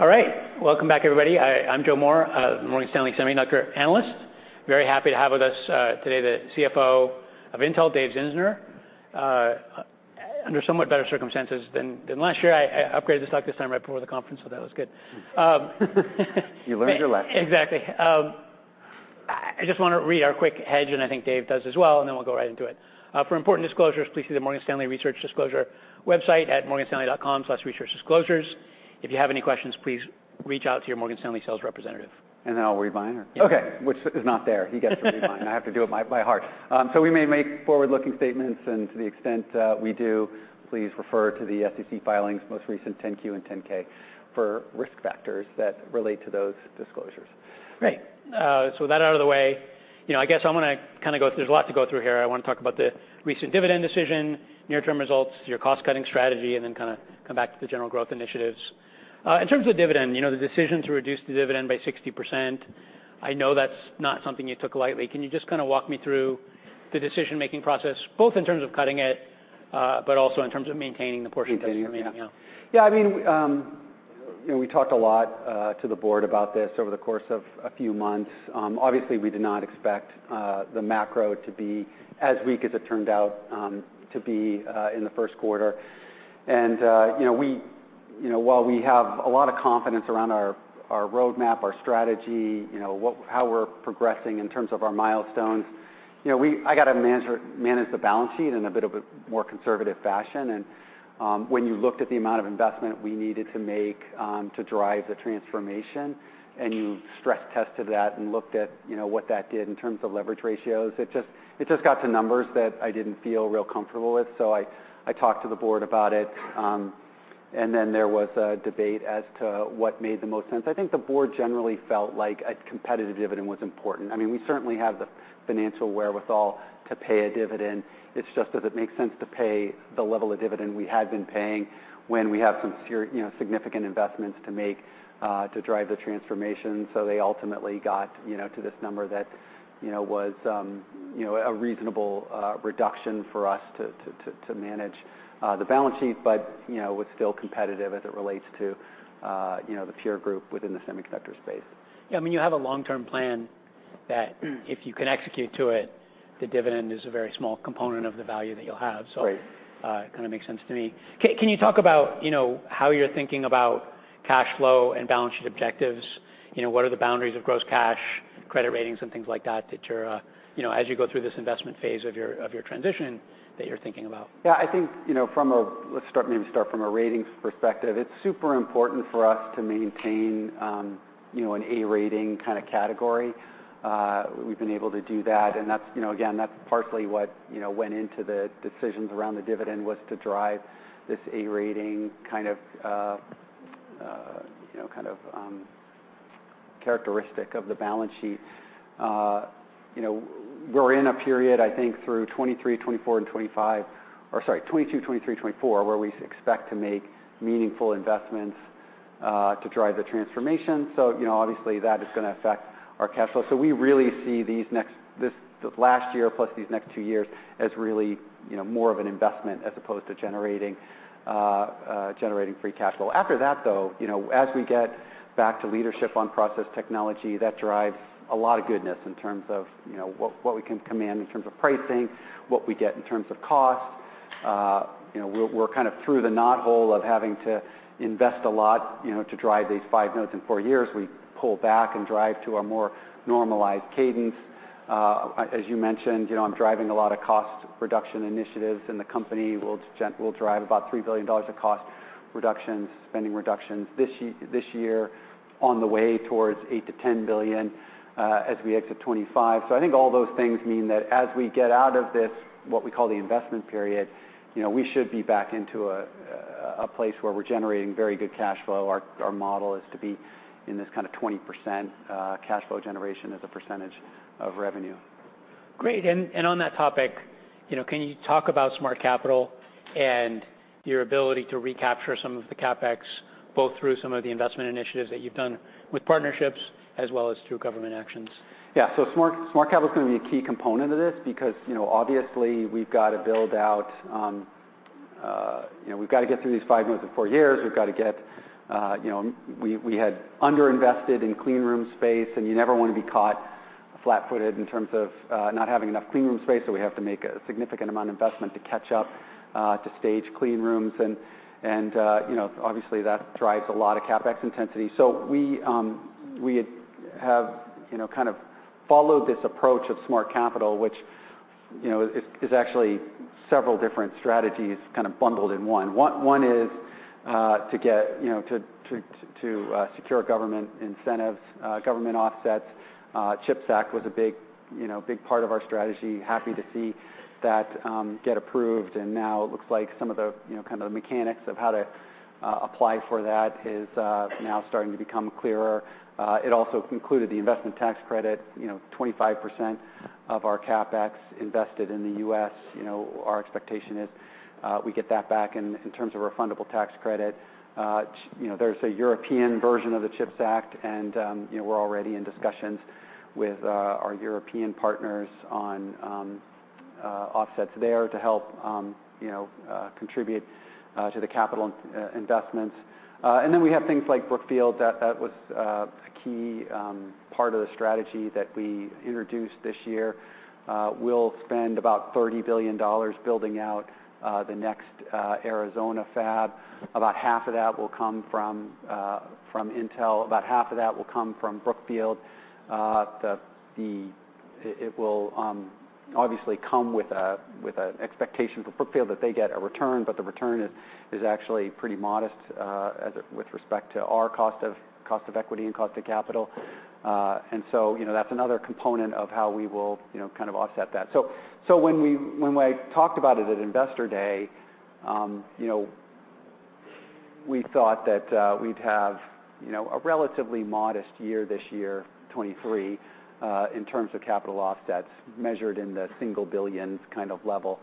All right. Welcome back, everybody. I'm Joe Moore, Morgan Stanley semiconductor analyst. Very happy to have with us today the CFO of Intel, Dave Zinsner. Under somewhat better circumstances than last year. I upgraded the stock this time right before the conference, so that was good. You learned your lesson. Exactly. I just wanna read our quick hedge, and I think Dave does as well, and then we'll go right into it. For important disclosures, please see the Morgan Stanley research disclosure website at morganstanley.com/researchdisclosures. If you have any questions, please reach out to your Morgan Stanley sales representative. Now I'll read mine. Yeah. Okay. Which is not there. He gets to read mine. I have to do it by heart. we may make forward-looking statements, and to the extent we do, please refer to the SEC filings, most recent 10-Q and 10-K for risk factors that relate to those disclosures. Great. With that out of the way, you know, I guess I'm gonna kinda go. There's a lot to go through here. I wanna talk about the recent dividend decision, near-term results, your cost-cutting strategy, and then kinda come back to the general growth initiatives. In terms of the dividend, you know, the decision to reduce the dividend by 60%, I know that's not something you took lightly. Can you just kinda walk me through the decision-making process, both in terms of cutting it, but also in terms of maintaining the portion that you're maintaining now? Maintaining, yeah. Yeah, I mean, you know, we talked a lot to the board about this over the course of a few months. Obviously, we did not expect the macro to be as weak as it turned out to be in the first quarter. You know, while we have a lot of confidence around our roadmap, our strategy, you know, how we're progressing in terms of our milestones, you know, I gotta manage the balance sheet in a bit of a more conservative fashion. When you looked at the amount of investment we needed to make to drive the transformation, and you stress-tested that and looked at, you know, what that did in terms of leverage ratios, it just got to numbers that I didn't feel real comfortable with. I talked to the board about it, and then there was a debate as to what made the most sense. I think the board generally felt like a competitive dividend was important. I mean, we certainly have the financial wherewithal to pay a dividend. It's just, does it make sense to pay the level of dividend we had been paying when we have significant investments to make to drive the transformation? They ultimately got, you know, to this number that, you know, was, you know, a reasonable reduction for us to manage the balance sheet, but, you know, was still competitive as it relates to, you know, the peer group within the semiconductor space. Yeah, I mean, you have a long-term plan that - Mm. - if you can execute to it, the dividend is a very small component of the value that you'll have. Right. It kinda makes sense to me. Can you talk about, you know, how you're thinking about cash flow and balance sheet objectives? You know, what are the boundaries of gross cash, credit ratings, and things like that you're, you know, as you go through this investment phase of your, of your transition, that you're thinking about? Yeah. I think, you know, from a ratings perspective. It's super important for us to maintain, you know, an A rating kinda category. We've been able to do that, and that's, you know, again, that's partially what, you know, went into the decisions around the dividend, was to drive this A rating kind of, you know, kind of characteristic of the balance sheet. You know, we're in a period, I think, through 2023, 2024, and 2025, or sorry, 2022, 2023, 2024, where we expect to make meaningful investments to drive the transformation. You know, obviously that is gonna affect our cash flow. We really see these next, the last year plus these next two years as really, you know, more of an investment as opposed to generating free cash flow. After that, though, you know, as we get back to leadership on process technology, that drives a lot of goodness in terms of, you know, what we can command in terms of pricing, what we get in terms of cost. You know, we're kind of through the knothole of having to invest a lot, you know, to drive these five nodes in four years. We pull back and drive to a more normalized cadence. As you mentioned, you know, I'm driving a lot of cost reduction initiatives in the company. We'll drive about $3 billion of cost reductions, spending reductions this year on the way towards $8 billion-$10 billion, as we exit 2025. I think all those things mean that as we get out of this, what we call the investment period, you know, we should be back into a place where we're generating very good cash flow. Our model is to be in this kinda 20% cash flow generation as a percentage of revenue. Great. And on that topic, you know, can you talk about Smart Capital and your ability to recapture some of the CapEx, both through some of the investment initiatives that you've done with partnerships as well as through government actions? Smart Capital's gonna be a key component of this because, you know, obviously we've got to build out, you know, we've got to get through these five nodes in four years. We've got to get, you know. We had underinvested in clean room space, and you never wanna be caught flat-footed in terms of not having enough clean room space, so we have to make a significant amount of investment to catch up to stage clean rooms. You know, obviously that drives a lot of CapEx intensity. We have, you know, kind of followed this approach of Smart Capital, which, you know, is actually several different strategies kind of bundled in one. One is, you know, to secure government incentives, government offsets. CHIPS Act was a big, you know, big part of our strategy. Happy to see that get approved, now it looks like some of the, you know, kind of the mechanics of how to apply for that is now starting to become clearer. It also included the investment tax credit. You know, 25% of our CapEx invested in the U.S., you know, our expectation is we get that back in terms of refundable tax credit. You know, there's a European version of the CHIPS Act, you know, we're already in discussions with our European partners on offsets there to help, you know, contribute to the capital investments. Then we have things like Brookfield. That was a key part of the strategy that we introduced this year. We'll spend about $30 billion building out the next Arizona fab. About half of that will come from Intel. About half of that will come from Brookfield. It will obviously come with an expectation for Brookfield that they get a return, but the return is actually pretty modest with respect to our cost of equity and cost of capital. You know, that's another component of how we will, you know, kind of offset that. When we, when I talked about it at Investor Day, you know, we thought that we'd have, you know, a relatively modest year this year, 2023, in terms of capital offsets measured in the single billions kind of level.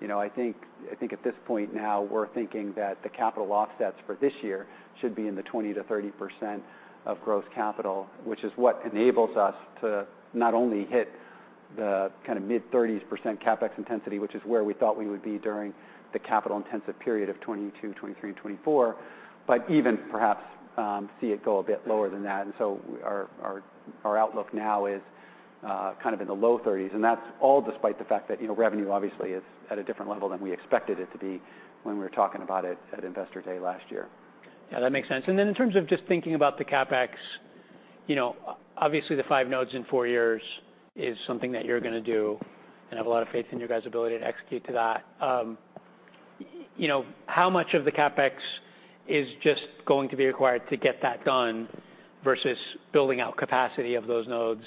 You know, I think at this point now we're thinking that the capital offsets for this year should be in the 20%-30% of gross capital, which is what enables us to not only hit the kind of mid-30s% CapEx intensity, which is where we thought we would be during the capital intensive period of 2022, 2023, and 2024, but even perhaps, see it go a bit lower than that. Our outlook now is kind of in the low 30s, and that's all despite the fact that, you know, revenue obviously is at a different level than we expected it to be when we were talking about it at Investor Day last year. Yeah, that makes sense. In terms of just thinking about the CapEx, you know, obviously the five nodes in four years is something that you're gonna do, and I have a lot of faith in your guys' ability to execute to that. You know, how much of the CapEx is just going to be required to get that done versus building out capacity of those nodes?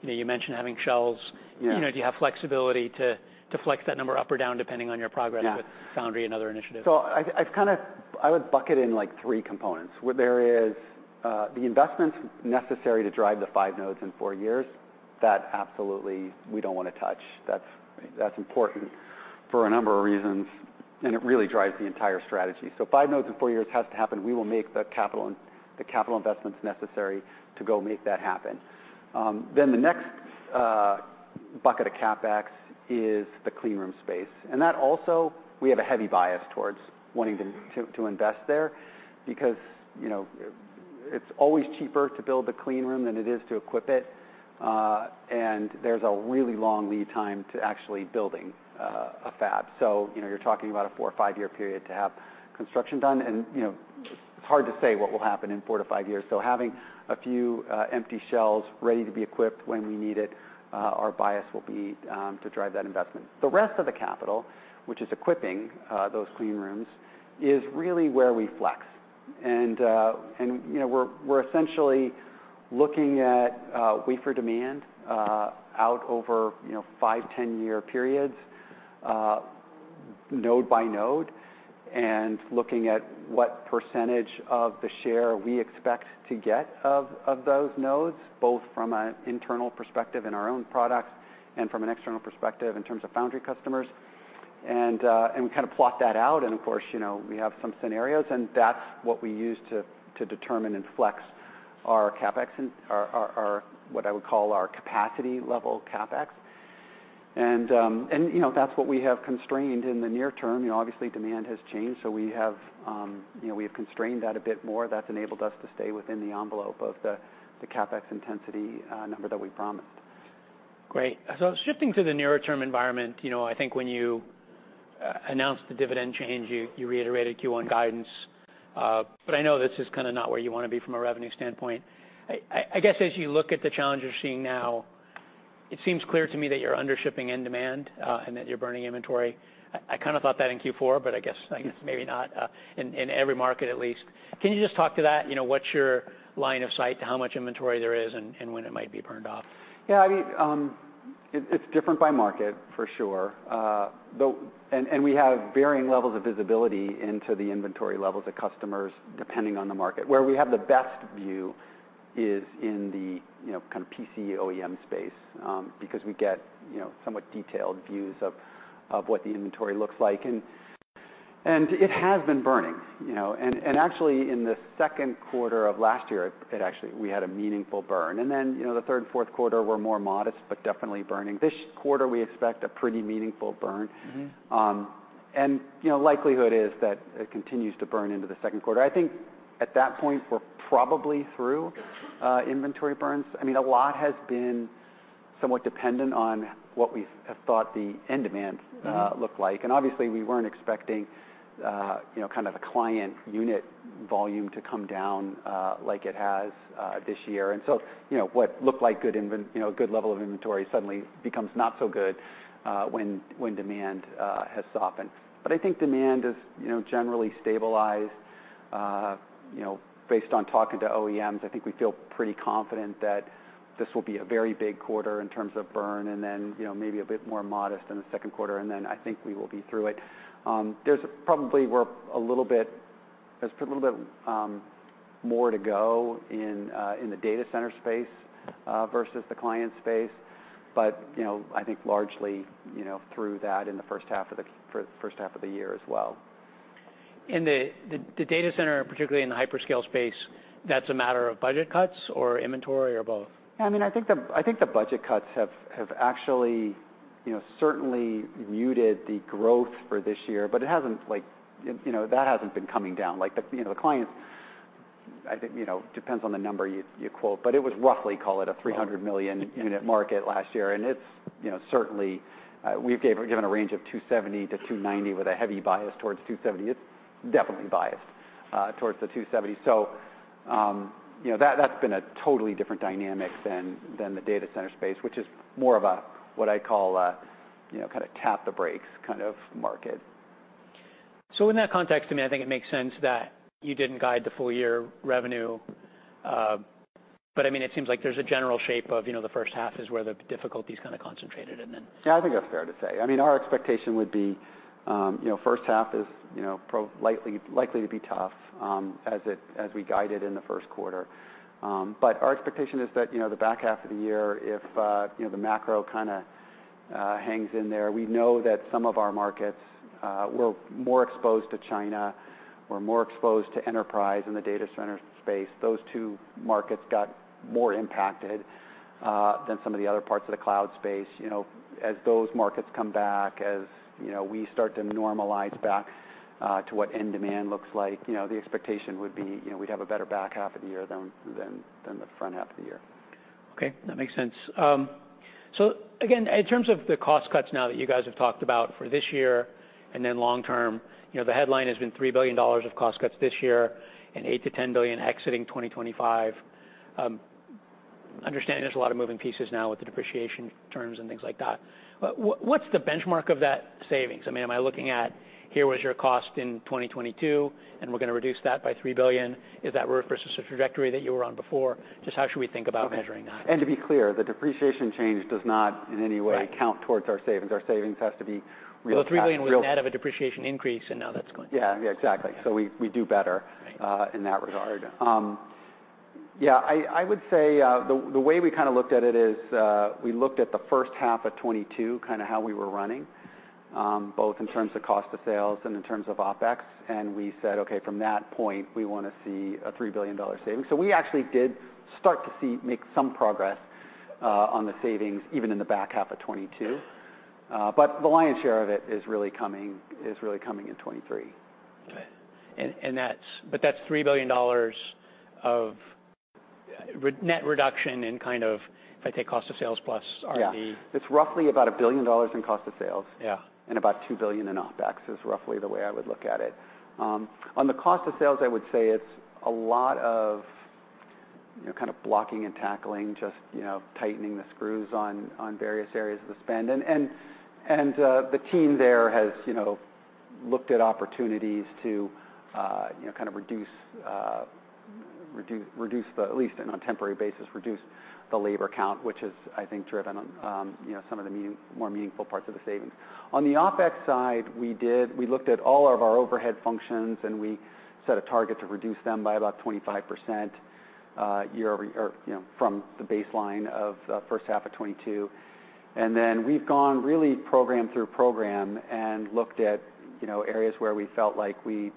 You know, you mentioned having shells. Yeah. You know, do you have flexibility to flex that number up or down depending on your progress - Yeah... with foundry and other initiatives? I would bucket in, like, three components. Where there is the investments necessary to drive the five nodes in four years, that absolutely we don't wanna touch. That's important for a number of reasons, and it really drives the entire strategy. Five nodes in four years has to happen. We will make the capital investments necessary to go make that happen. The next bucket of CapEx is the cleanroom space. That also, we have a heavy bias towards wanting to invest there because, you know, it's always cheaper to build a cleanroom than it is to equip it, and there's a really long lead time to actually building a fab. You know, you're talking about a four or five-year period to have construction done. You know, it's hard to say what will happen in four to five years. Having a few empty shells ready to be equipped when we need it, our bias will be to drive that investment. The rest of the capital, which is equipping those cleanrooms, is really where we flex. You know, we're essentially looking at wafer demand out over, you know, five, 10-year periods, node by node and looking at what percentage of the share we expect to get of those nodes, both from an internal perspective in our own products and from an external perspective in terms of foundry customers. We kind of plot that out and, of course, you know, we have some scenarios, and that's what we use to determine and flex our CapEx and our what I would call our capacity level CapEx. You know, that's what we have constrained in the near term. You know, obviously demand has changed, so we have, you know, we have constrained that a bit more. That's enabled us to stay within the envelope of the CapEx intensity number that we promised. Great. Shifting to the nearer term environment, you know, I think when you announced the dividend change, you reiterated Q1 guidance. I know this is kinda not where you wanna be from a revenue standpoint. I guess as you look at the challenges you're seeing now, it seems clear to me that you're under shipping in demand, and that you're burning inventory. I kind of thought that in Q4, but I guess maybe not in every market at least. Can you just talk to that? You know, what's your line of sight to how much inventory there is and when it might be burned off? Yeah. I mean, it's different by market, for sure. We have varying levels of visibility into the inventory levels of customers depending on the market. Where we have the best view is in the, you know, kind of PC OEM space, because we get, you know, somewhat detailed views of what the inventory looks like. It has been burning, you know. Actually in the second quarter of last year, we had a meaningful burn. You know, the third and fourth quarter were more modest, but definitely burning. This quarter, we expect a pretty meaningful burn. Mm-hmm. you know, likelihood is that it continues to burn into the second quarter. I think at that point we're probably through inventory burns. I mean, a lot has been somewhat dependent on what we have thought the end demand - Mm-hmm - looked like. Obviously we weren't expecting, you know, kind of the client unit volume to come down, like it has, this year. You know, what looked like good, you know, good level of inventory suddenly becomes not so good, when demand has softened. I think demand has, you know, generally stabilized. You know, based on talking to OEMs, I think we feel pretty confident that this will be a very big quarter in terms of burn and then, you know, maybe a bit more modest in the second quarter, and then I think we will be through it. There's probably there's a little bit more to go in the data center space, versus the client space. You know, I think largely, you know, through that for the first half of the year as well. In the data center, particularly in the hyperscale space, that's a matter of budget cuts or inventory or both? Yeah, I mean, I think the budget cuts have actually, you know, certainly muted the growth for this year. It hasn't, like, you know, that hasn't been coming down. Like the, you know, the clients, I think, you know, depends on the number you quote, but it was roughly, call it a 300 million unit market last year. It's, you know, certainly, we've given a range of 270-290 with a heavy bias towards 270. It's definitely biased towards the 270. that's been a totally different dynamic than the data center space, which is more of a, what I call, kind of tap the brakes kind of market. In that context, I mean, I think it makes sense that you didn't guide the full year revenue. I mean, it seems like there's a general shape of, you know, the first half is where the difficulty is kind of concentrated. Yeah, I think that's fair to say. I mean, our expectation would be, you know, first half is, you know, likely to be tough, as we guided in the first quarter. Our expectation is that, you know, the back half of the year, if, you know, the macro kind of, hangs in there, we know that some of our markets, we're more exposed to China, we're more exposed to enterprise in the data center space. Those two markets got more impacted, than some of the other parts of the cloud space. You know, as those markets come back, as, you know, we start to normalize back to what end demand looks like, you know, the expectation would be, you know, we'd have a better back half of the year than the front half of the year. Okay, that makes sense. Again, in terms of the cost cuts now that you guys have talked about for this year and then long term, you know, the headline has been $3 billion of cost cuts this year and $8 billion-$10 billion exiting 2025. Understand there's a lot of moving pieces now with the depreciation terms and things like that. What, what's the benchmark of that savings? I mean, am I looking at here was your cost in 2022, and we're gonna reduce that by $3 billion? Is that versus the trajectory that you were on before? Just how should we think about measuring that? Okay. To be clear, the depreciation change does not in any way - Right - count towards our savings. Our savings has to be real cash- The $3 billion was net of a depreciation increase, and now that's gone. Yeah. Yeah, exactly. We do. Right... in that regard. Yeah, I would say, the way we kind of looked at it is, we looked at the first half of 2022, kind of how we were running, both in terms of cost of sales and in terms of OpEx. We said, "Okay, from that point we wanna see a $3 billion saving." We actually did start to make some progress, on the savings even in the back half of 2022. The lion's share of it is really coming in 2023. Okay. That's $3 billion of net reduction in kind of, if I take cost of sales plus RP. Yeah. It's roughly about $1 billion in cost of sales. Yeah. About $2 billion in OpEx is roughly the way I would look at it. On the cost of sales, I would say it's a lot of, you know, kind of blocking and tackling, just, you know, tightening the screws on various areas of the spend. The team there has, you know, looked at opportunities to, you know, kind of reduce at least in on a temporary basis, reduce the labor count, which has, I think, driven, you know, some of the more meaningful parts of the savings. On the OpEx side, we looked at all of our overhead functions, and we set a target to reduce them by about 25% year-over-year, or, you know, from the baseline of first half of 2022. We've gone really program through program and looked at, you know, areas where we felt like we,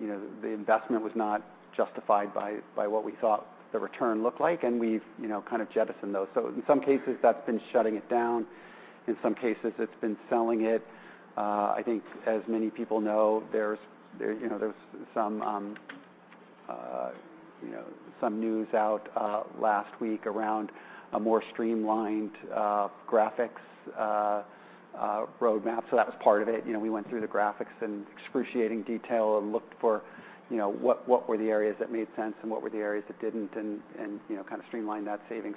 you know, the investment was not justified by what we thought the return looked like, and we've, you know, kind of jettisoned those. In some cases, that's been shutting it down. In some cases, it's been selling it. I think as many people know, there's, you know, there's some, you know, some news out last week around a more streamlined graphics roadmap. That was part of it. You know, we went through the graphics in excruciating detail and looked for, you know, what were the areas that made sense and what were the areas that didn't and, you know, kind of streamlined that saving.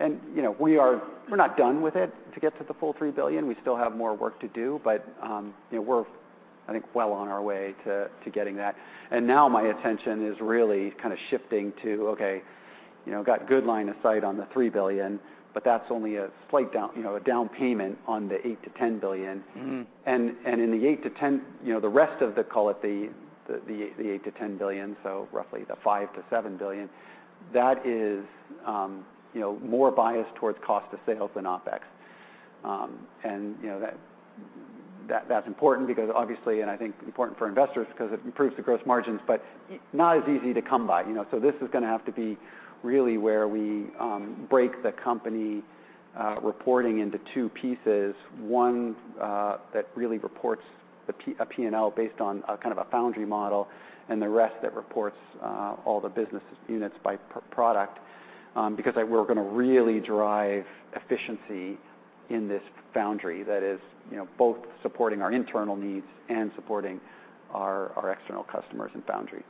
You know, we're not done with it to get to the full $3 billion. We still have more work to do. You know, we're, I think, well on our way to getting that. Now my attention is really kind of shifting to, okay, you know, got good line of sight on the $3 billion, but that's only a slight down, you know, a down payment on the $8 billion-$10 billion. Mm-hmm. In the $8 billion-$10 billion, you know, the rest of the, call it the $8 billion-$10 billion, so roughly the $5 billion-$7 billion, that is, you know, more biased towards cost of sales than OpEx. You know, that's important because obviously, and I think important for investors because it improves the gross margins, but not as easy to come by. You know? This is gonna have to be really where we break the company reporting into two pieces, one that really reports a P&L based on a kind of a foundry model, and the rest that reports all the business units by product, because we're gonna really drive efficiency in this foundry that is, you know, both supporting our internal needs and supporting our external customers and foundry.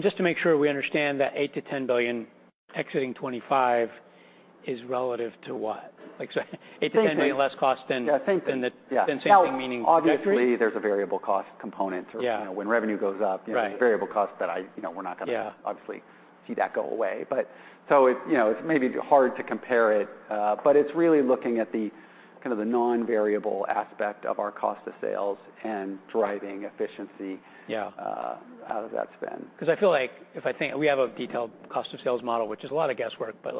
Just to make sure we understand that $8 billion-$10 billion exiting 2025 is relative to what? Like, so $8 billion-$10 billion- Same thing.... less cost. Yeah, same thing.... than. Yeah than same thing meaning- Well, obviously, there's a variable cost component. Yeah... you know, when revenue goes up. Right... you know, variable cost that I, you know, we're not gonna- Yeah... obviously see that go away. It's, you know, it's maybe hard to compare it, but it's really looking at the kind of the non-variable aspect of our cost of sales and driving efficiency- Yeah out of that spend. 'Cause I feel like if we have a detailed cost of sales model, which is a lot of guesswork, but,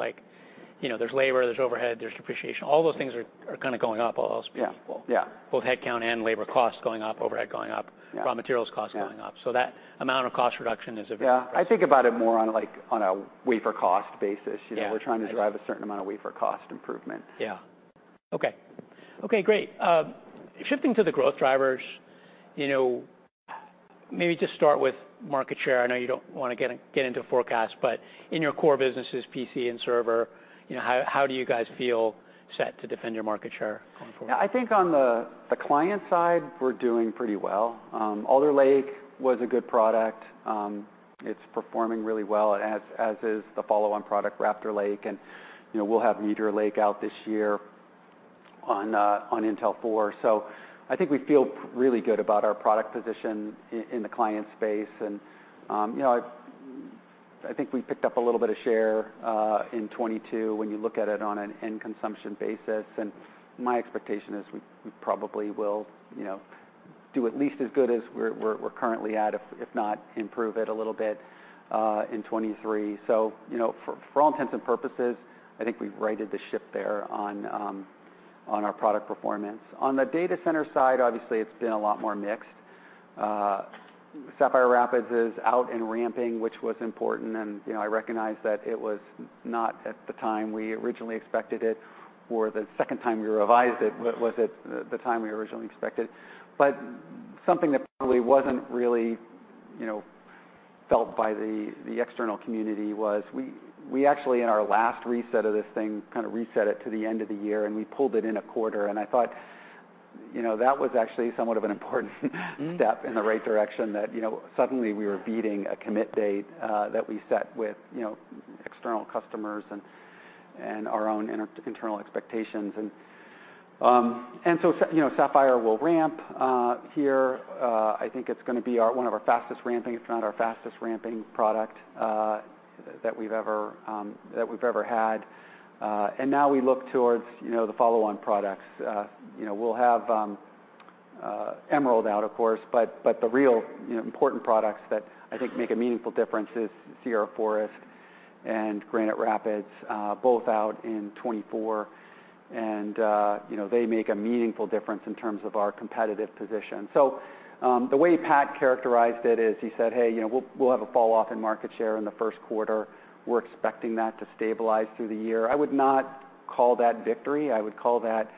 like, you know, there's labor, there's overhead, there's depreciation. All those things are kinda going up, all those people. Yeah. Yeah. Both headcount and labor costs going up, overhead going up- Yeah... raw materials costs going up. Yeah. that amount of cost reduction is a very. Yeah. I think about it more on, like, on a wafer cost basis. Yeah. You know, we're trying to drive a certain amount of wafer cost improvement. Yeah. Okay. Okay, great. Shifting to the growth drivers, you know, maybe just start with market share. I know you don't wanna get into forecast, but in your core businesses, PC and server, you know, how do you guys feel set to defend your market share going forward? I think on the client side, we're doing pretty well. Alder Lake was a good product. It's performing really well, as is the follow-on product, Raptor Lake, you know, we'll have Meteor Lake out this year on Intel 4. I think we feel really good about our product position in the client space. You know, I think we picked up a little bit of share in 2022 when you look at it on an end consumption basis, and my expectation is we probably will, you know, do at least as good as we're currently at, if not improve it a little bit in 2023. You know, for all intents and purposes, I think we've righted the ship there on our product performance. On the data center side, obviously, it's been a lot more mixed. Sapphire Rapids is out and ramping, which was important, and, you know, I recognize that it was not at the time we originally expected it, or the second time we revised it was at the time we originally expected. Something that probably wasn't really, you know, felt by the external community was we actually in our last reset of this thing kind of reset it to the end of the year, and we pulled it in a quarter, and I thought, you know, that was actually somewhat of an important step in the right direction that, you know, suddenly we were beating a commit date that we set with, you know, external customers and our own internal expectations. You know, Sapphire will ramp here. I think it's gonna be one of our fastest ramping, if not our fastest ramping product, that we've ever, that we've ever had. Now we look towards, you know, the follow-on products. You know, we'll have Emerald out, of course, but the real, you know, important products that I think make a meaningful difference is Sierra Forest and Granite Rapids, both out in 2024, and, you know, they make a meaningful difference in terms of our competitive position. The way Pat characterized it is he said, "Hey, you know, we'll have a falloff in market share in the first quarter. We're expecting that to stabilize through the year." I would not call that victory. I would call that,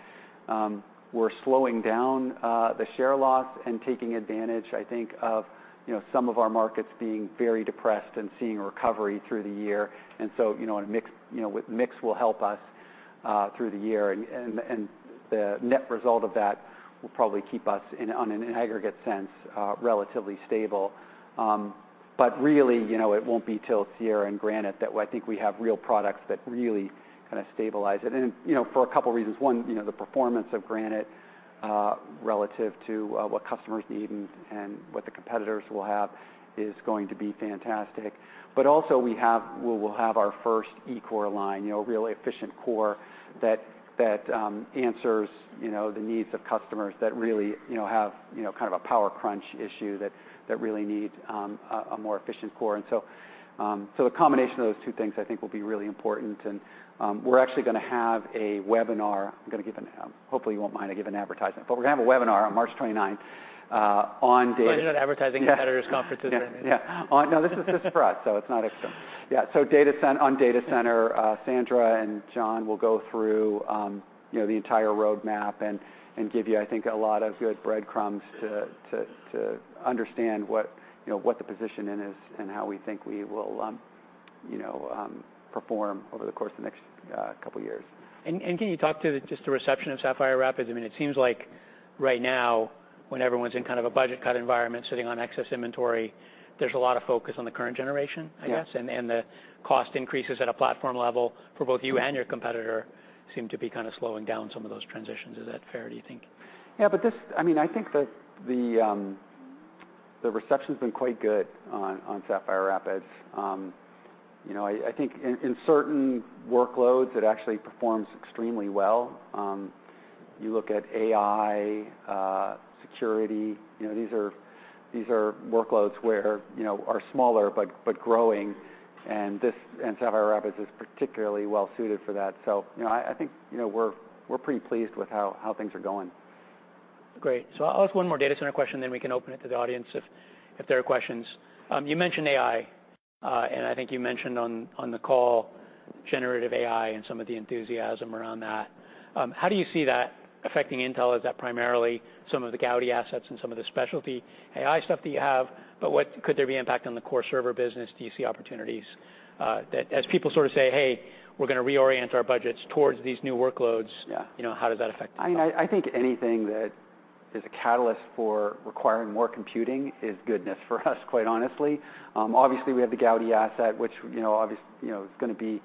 we're slowing down, the share loss and taking advantage, I think, of, you know, some of our markets being very depressed and seeing recovery through the year. You know, and mix, you know, with mix will help us through the year and the, and the net result of that will probably keep us in a, on an aggregate sense, relatively stable. But really, you know, it won't be till Sierra and Granite that I think we have real products that really kinda stabilize it. You know, for a couple reasons. One, you know, the performance of Granite, relative to, what customers need and what the competitors will have is going to be fantastic. Also, we will have our first E-core line, you know, a real efficient core that answers, you know, the needs of customers that really, you know, have, you know, kind of a power crunch issue that really need a more efficient core. So a combination of those two things I think will be really important. We're actually gonna have a webinar. Hopefully you won't mind, I give an advertisement. We're gonna have a webinar on March 29th on data- As long as you're not advertising a competitor's conference with it. Yeah. No, this is just for us, so it's not. Data center. Sandra and John will go through, you know, the entire roadmap and give you, I think, a lot of good breadcrumbs to understand what the position then is and how we think we will, you know, perform over the course of the next couple years. Can you talk to just the reception of Sapphire Rapids? I mean, it seems like right now, when everyone's in kind of a budget cut environment, sitting on excess inventory, there's a lot of focus on the current generation, I guess? Yeah. The cost increases at a platform level for both you and your competitor seem to be kinda slowing down some of those transitions. Is that fair, do you think? This, I mean, I think the reception's been quite good on Sapphire Rapids. You know, I think in certain workloads, it actually performs extremely well. You look at AI, security, you know, these are workloads where, you know, are smaller but growing, and Sapphire Rapids is particularly well suited for that. You know, I think, you know, we're pretty pleased with how things are going. Great. I'll ask one more data center question, then we can open it to the audience if there are questions. You mentioned AI, and I think you mentioned on the call generative AI and some of the enthusiasm around that. How do you see that affecting Intel? Is that primarily some of the Gaudi assets and some of the specialty AI stuff that you have? What could there be impact on the core server business? Do you see opportunities that as people sort of say, "Hey, we're gonna reorient our budgets towards these new workloads. Yeah You know, how does that affect Intel? I think anything that is a catalyst for requiring more computing is goodness for us, quite honestly. Obviously, we have the Gaudi asset, which, you know, is gonna be,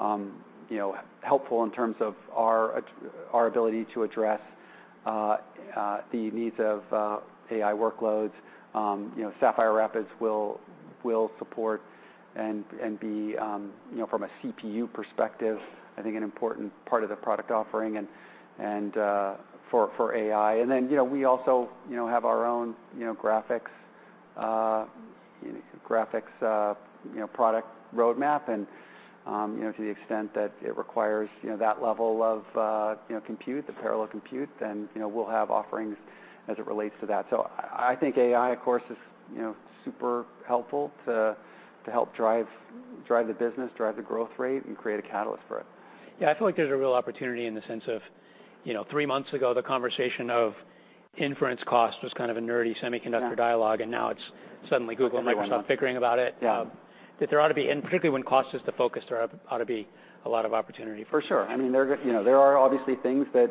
you know, helpful in terms of our ability to address, the needs of AI workloads. You know, Sapphire Rapids will support and be, you know, from a CPU perspective, I think an important part of the product offering and for AI. Then, you know, we also, you know, have our own, you know, graphics product roadmap and, you know, to the extent that it requires, you know, that level of, you know, compute, the parallel compute, then, you know, we'll have offerings as it relates to that. I think AI of course is, you know, super helpful to help drive the business, drive the growth rate, and create a catalyst for it. Yeah. I feel like there's a real opportunity in the sense of, you know, three months ago, the conversation of inference cost was kind of a nerdy semiconductor dialogue- Yeah Now it's suddenly Google and Microsoft. Everybody now. figuring about it. Yeah. That there ought to be. Particularly when cost is the focus, there ought to be a lot of opportunity. For sure. I mean, there you know, there are obviously things that,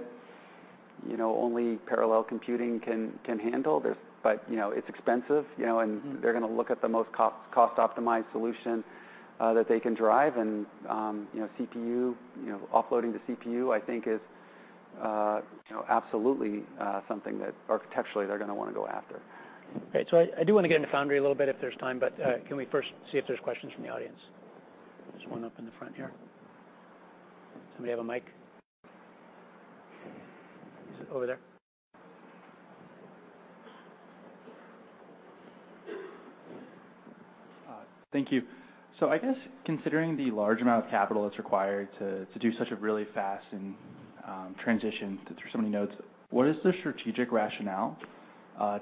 you know, only parallel computing can handle. You know, it's expensive, you know. Mm-hmm... and they're gonna look at the most cost optimized solution that they can drive and, you know, CPU, you know, offloading to CPU, I think is, you know, absolutely something that architecturally they're gonna wanna go after. Great. I do wanna get into foundry a little bit if there's time, but, can we first see if there's questions from the audience? There's one up in the front here. Somebody have a mic? Okay. Is it over there? Thank you. I guess considering the large amount of capital that's required to do such a really fast and transition through so many nodes, what is the strategic rationale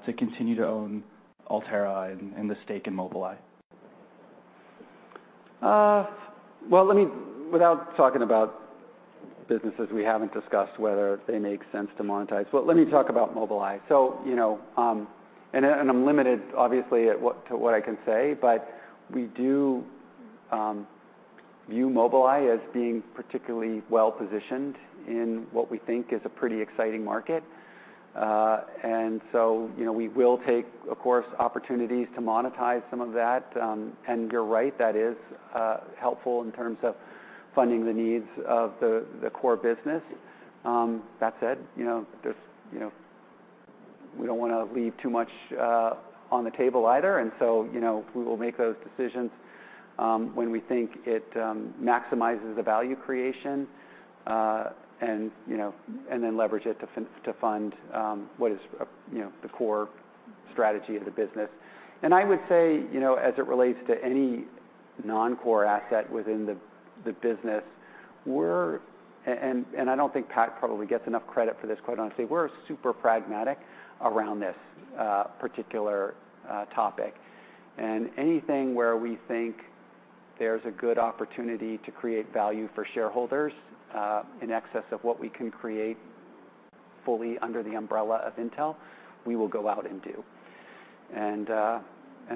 to continue to own Altera and the stake in Mobileye? Well, let me Without talking about businesses we haven't discussed, whether they make sense to monetize, but let me talk about Mobileye. you know, and I'm limited obviously at what, to what I can say, but we do view Mobileye as being particularly well-positioned in what we think is a pretty exciting market. you know, we will take, of course, opportunities to monetize some of that. You're right, that is helpful in terms of funding the needs of the core business. That said, you know, there's, you know, we don't wanna leave too much on the table either. You know, we will make those decisions, when we think it maximizes the value creation, and, you know, then leverage it to fund what is, you know, the core strategy of the business. I would say, you know, as it relates to any non-core asset within the business, we're and I don't think Pat probably gets enough credit for this, quite honestly. We're super pragmatic around this particular topic. Anything where we think there's a good opportunity to create value for shareholders, in excess of what we can create fully under the umbrella of Intel, we will go out and do.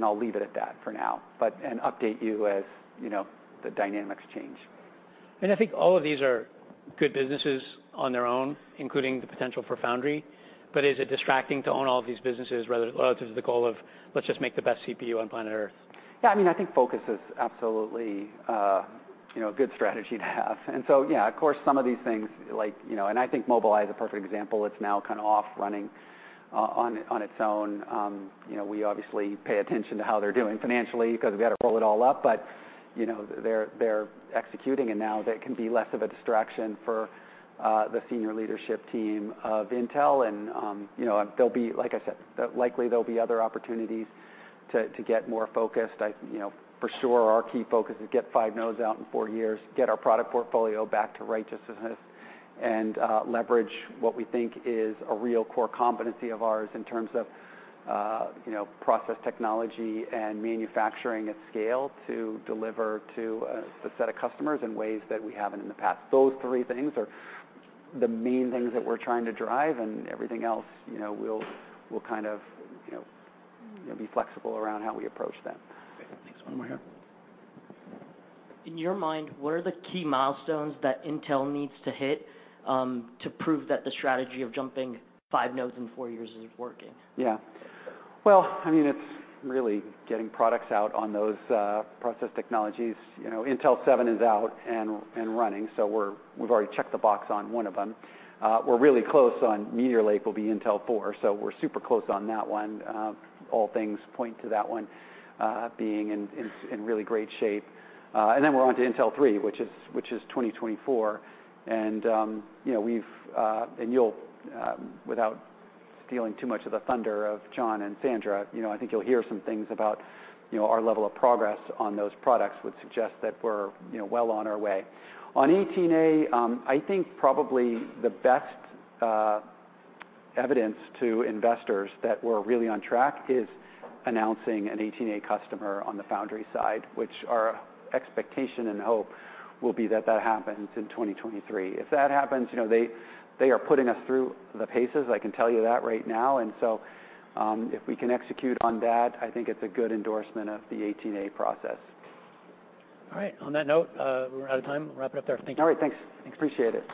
I'll leave it at that for now, but, and update you as, you know, the dynamics change. I think all of these are good businesses on their own, including the potential for foundry, but is it distracting to own all of these businesses rather, relative to the goal of let's just make the best CPU on planet Earth? Yeah, I mean, I think focus is absolutely, you know, a good strategy to have. Yeah, of course, some of these things, like, you know, I think Mobileye is a perfect example. It's now kind of off running on its own. You know, we obviously pay attention to how they're doing financially because we gotta roll it all up but, you know, they're executing it now. They can be less of a distraction for the senior leadership team of Intel and, you know, there'll be, like I said, likely there'll be other opportunities to get more focused. I, you know, for sure our key focus is get five nodes out in four years, get our product portfolio back to righteousness, and leverage what we think is a real core competency of ours in terms of, you know, process technology and manufacturing at scale to deliver to a set of customers in ways that we haven't in the past. Those three things are the main things that we're trying to drive, and everything else, you know, we'll kind of, you know, be flexible around how we approach them. Okay. Thanks. One more here. In your mind, what are the key milestones that Intel needs to hit to prove that the strategy of jumping five nodes in four years is working? Well, I mean, it's really getting products out on those process technologies. You know, Intel 7 is out and running. We've already checked the box on one of them. We're really close on Meteor Lake will be Intel 4. We're super close on that one. All things point to that one being in really great shape. We're on to Intel 3, which is 2024. You know, we've and you'll without stealing too much of the thunder of John and Sandra, you know, I think you'll hear some things about, you know, our level of progress on those products, would suggest that we're, you know, well on our way. On 18A, I think probably the best evidence to investors that we're really on track is announcing an 18A customer on the foundry side, which our expectation and hope will be that that happens in 2023. If that happens, you know, they are putting us through the paces, I can tell you that right now. If we can execute on that, I think it's a good endorsement of the 18A process. All right. On that note, we're out of time. We'll wrap it up there. Thank you. All right. Thanks. Appreciate it.